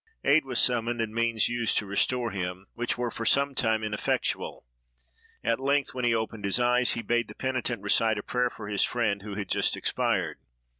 Aid was summoned and means used to restore him, which were for some time ineffectual; at length, when he opened his eyes, he bade the penitent recite a prayer for his friend, who had just expired.